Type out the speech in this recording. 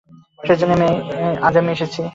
সেইজন্যেই আজ আমি এসেছি।